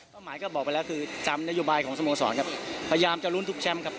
หมายก็บอกไปแล้วคือจำนโยบายของสโมสรครับพยายามจะลุ้นทุกแชมป์ครับ